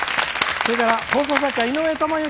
それから放送作家の井上知幸。